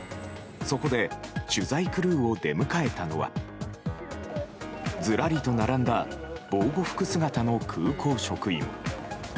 そこで取材クルーを出迎えたのはずらりと並んだ防護服姿の空港職員。